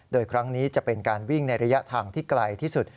โดยครั้งนี้จะเป็นการวิ่งในระยะทางที่ไกลที่สุด